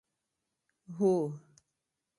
هوه